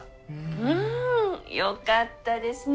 うんよかったですね